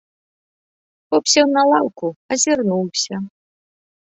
Поп сеў на лаўку, азірнуўся.